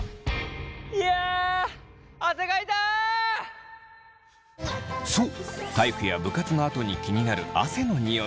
いやそう体育や部活のあとに気になる汗のニオイ。